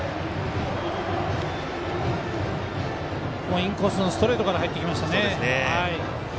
インコースのストレートから入ってきましたね。